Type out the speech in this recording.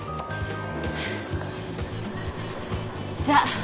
じゃあ。